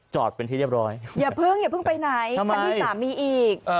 จอดเป็นที่เรียบร้อยอย่าเพิ่งอย่าเพิ่งไปไหนคันที่สามมีอีก